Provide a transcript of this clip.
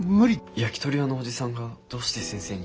焼きとり屋のおじさんがどうして先生に？